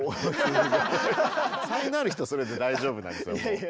才能ある人はそれで大丈夫なんですよ。いやいや。